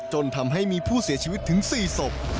จนทำให้มีผู้เสียชีวิตถึง๔ศพ